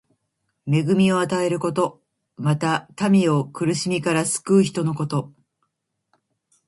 恵みを与えること。また、民を苦しみから救う人のこと。